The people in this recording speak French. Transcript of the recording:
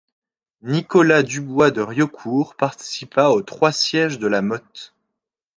Nicolas Dubois de Riocour participa aux trois sièges de La Mothe.